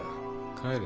帰れ。